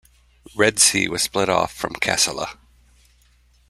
Red Sea was split off from Kassala.